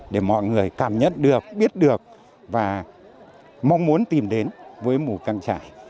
để mọi người cảm nhận được biết được và mong muốn tìm đến với mù căng trải